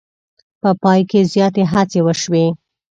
په پای کې زیاتې هڅې وشوې.